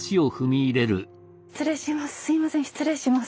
失礼します。